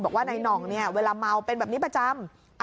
บอกว่านายหน่องเนี่ยเวลาเมาเป็นแบบนี้ประจำ